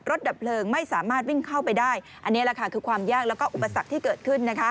ดับเพลิงไม่สามารถวิ่งเข้าไปได้อันนี้แหละค่ะคือความยากแล้วก็อุปสรรคที่เกิดขึ้นนะคะ